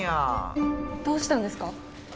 どうしたんですか？